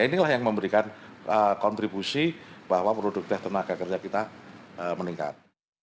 inilah yang memberikan kontribusi bahwa produktif tenaga kerja kita meningkat